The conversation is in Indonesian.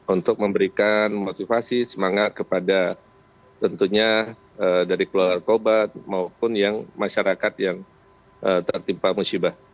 untuk memberikan motivasi semangat kepada tentunya dari keluar obat maupun yang masyarakat yang tertimpa musibah